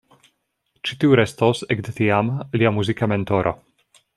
Ĉi tiu restos ekde tiam lia muzika mentoro.